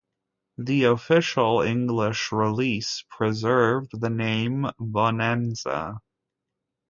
The official English release preserved the name "Bohnanza".